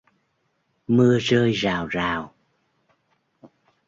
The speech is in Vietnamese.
Mưa rơi rào rào